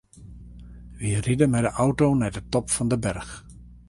Wy ride mei de auto nei de top fan de berch.